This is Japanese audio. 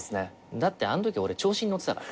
だってあんとき俺調子に乗ってたから。